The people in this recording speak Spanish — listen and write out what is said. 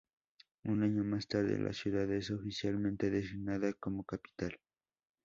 Un año más tarde, la ciudad es oficialmente designada como Capital.